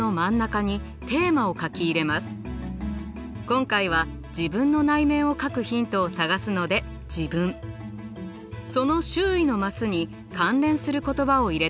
今回は自分の内面を描くヒントを探すので「自分」その周囲のマスに関連する言葉を入れていきます。